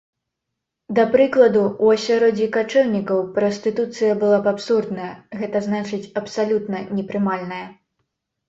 Да прыкладу, у асяроддзі качэўнікаў, прастытуцыя была б абсурдная, гэта значыць абсалютна непрымальная.